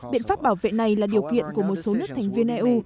biện pháp bảo vệ này là điều kiện của một số nước thành viên eu